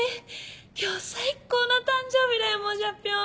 今日最高の誕生日だよモジャピョン！